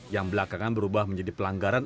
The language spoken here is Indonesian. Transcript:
yang belakangan berubah menjadi pelanggaran